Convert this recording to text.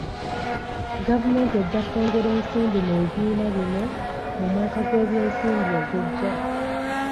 Gavumenti ejja kwongera ensimbi mu bibiina bino mu mwaka gw'ebyensimbi ogujja.